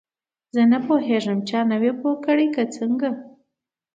زه نه پوهیږم چا نه وې پوه کړې که څنګه.